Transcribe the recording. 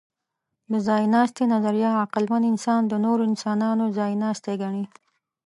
د ځایناستي نظریه عقلمن انسان د نورو انسانانو ځایناستی ګڼي.